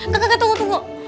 kakak kakak tunggu tunggu